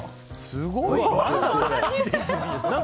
すごいな。